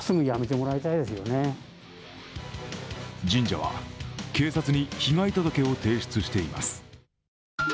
神社は警察に被害届を提出しています。